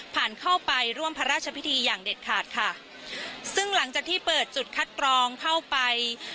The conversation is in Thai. ผ่านเข้าไปร่วมพระราชพิธีอย่างเด็ดขาดค่ะซึ่งหลังจากที่เปิดจุดคัดกรองเข้าไป